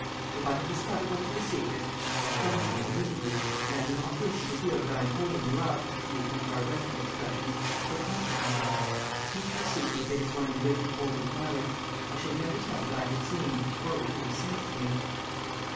If I have discovered one of your secrets, I have done so unwittingly, and I do not wish you to feel that I am holding you up, to use one of our Western expressions, for confidences. Keep your secret if it is one you wish to hold inviolate. I shall never tell what I have seen or what you have said to me."